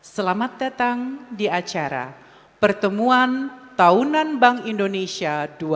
selamat datang di acara pertemuan tahunan bank indonesia dua ribu dua puluh